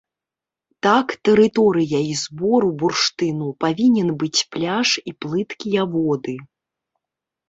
Так, тэрыторыяй збору бурштыну павінен быць пляж і плыткія воды.